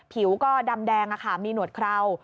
ผิวก็ดำแดงมีหนวดเครา